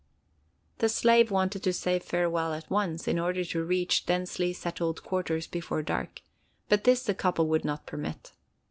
The slave wanted to say farewell at once, in order to reach densely settled quarters before dark, but this the couple would not permit.